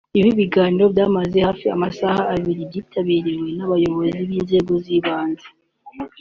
Ibi biganiro byamaze hafi amasaha abiri byitabiriwe n’abayobozi b’inzego z’ibanze